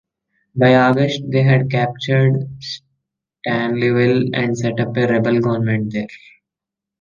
By August they had captured Stanleyville and set up a rebel government there.